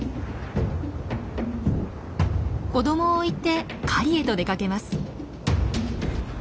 子どもを置いて狩りへと出かけます。